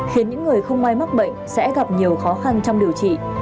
khiến những người không may mắc bệnh sẽ gặp nhiều khó khăn trong điều trị